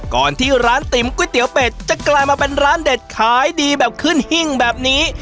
ก่อนที่ร้านติ๋มก๋วยเตี๋ยวเป็ดจะกลายมาเป็นร้านเด็ดขายดีแบบขึ้นหิ้งแบบนี้